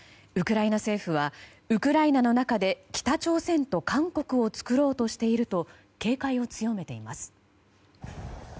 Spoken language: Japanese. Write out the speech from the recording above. ウクライナ政府はウクライナの中で北朝鮮と韓国を作ろうとしていると警戒を強めています。